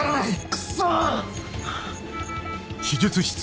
クソ！